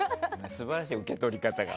素晴らしい、受け取り方が。